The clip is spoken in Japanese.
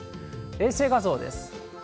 衛星画像です。